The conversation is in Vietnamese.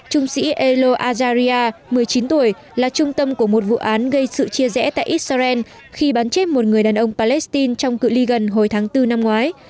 trung sĩ elo azaria một mươi chín tuổi là trung tâm của một vụ án gây sự chia rẽ tại israel khi bắn chết một người đàn ông palestine trong cự li gần hồi tháng bốn năm ngoái